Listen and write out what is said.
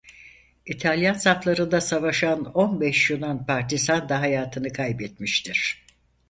İtalyan saflarında savaşan on beş Yunan partizan da hayatını kaybetmiştir.